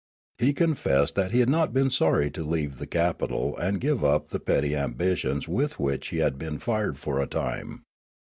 He confessed that he had not been sorry to leave the cap ital and give up the petty ambitious with which he had been fired for a time.